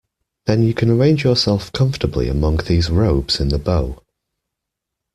Then you can arrange yourself comfortably among these robes in the bow.